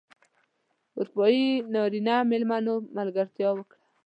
اروپايي نرینه مېلمنو ملګرتیا وکړه.